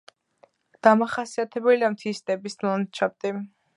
დამახასიათებელია მთის სტეპის ლანდშაფტი.